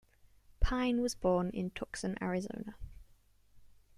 Pine was born in Tucson, Arizona.